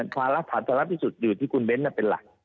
ภาระผาตรัสที่สุดอยู่ที่คุณเบ้นเป็นหลัก